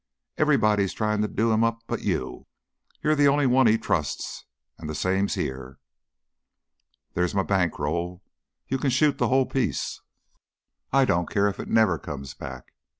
Everybody's tryin' to do him up but you; you're the only one he trusts. An' the same here. There's my bank roll you can shoot the whole piece. I don't care if it never comes back.